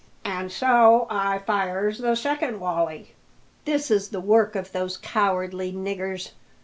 an' so I fires the second wolley." "This is the work of those cowardly niggers!"